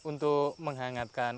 ini untuk menghangatkan